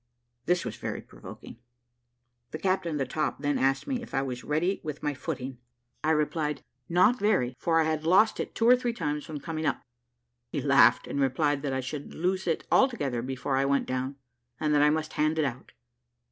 This was very provoking. The captain of the top then asked me if I was ready with my footing. I replied, "Not very, for I had lost it two or three times when coming up." He laughed and replied, that I should lose it altogether before I went down; and that I must hand it out.